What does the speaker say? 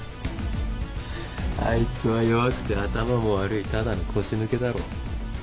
あいつは弱くて頭も悪いただの腰抜けだろ。